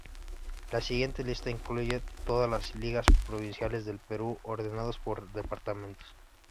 La siguiente lista incluye todas las ligas provinciales del Perú ordenados por departamento.